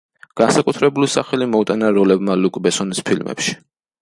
განსაკუთრებული სახელი მოუტანა როლებმა ლუკ ბესონის ფილმებში.